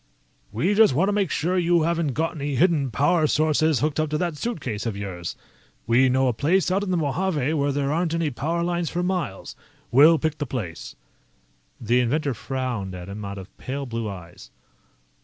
"We just want to make sure you haven't got any hidden power sources hooked up to that suitcase of yours. We know a place out in the Mojave where there aren't any power lines for miles. We'll pick the place." The inventor frowned at him out of pale blue eyes.